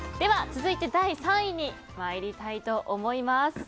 続いて第３位に参りたいと思います。